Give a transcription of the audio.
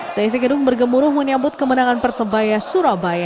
seisi gedung bergemuruh menyambut kemenangan persebaya surabaya